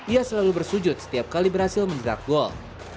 ia selalu bersujud setiap kali berhasil menjerak gol